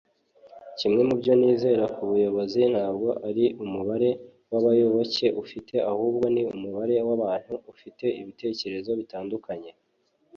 kimwe mu byo nizera ku buyobozi ntabwo ari umubare w'abayoboke ufite, ahubwo ni umubare w'abantu ufite ibitekerezo bitandukanye